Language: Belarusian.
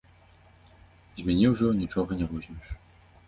З мяне ўжо нічога не возьмеш.